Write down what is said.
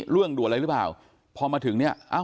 เรื่องด่วนอะไรหรือเปล่าพอมาถึงเนี่ย